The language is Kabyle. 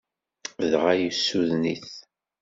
Dɣa yessuden-it.